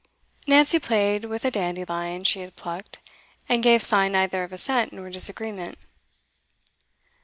Nancy played with a dandelion she had plucked, and gave sign neither of assent nor disagreement.